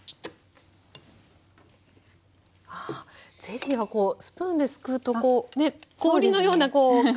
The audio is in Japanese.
あゼリーはこうスプーンですくうとね氷のような角ができて。